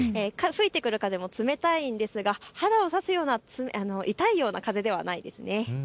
吹いてくる風も冷たいんですが肌を刺すような痛いような風ではないんです。